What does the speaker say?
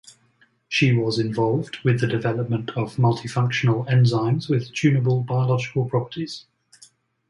She was involved with the development of multifunctional enzymes with tuneable biological properties.